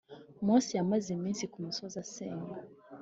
Mose yamaze iminsi ku musozi asenga